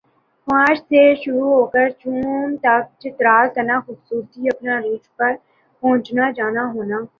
مارچ سے شروع ہوکر جون تک چترال کرنا خوبصورتی اپنا عروج پر پہنچنا جانا ہونا